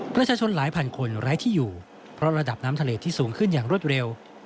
ประชาชนหลายพันคนไร้ที่อยู่เพราะระดับน้ำทะเลที่สูงขึ้นอย่างรวดเร็ว